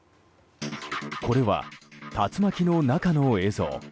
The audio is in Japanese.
これは、竜巻の中の映像。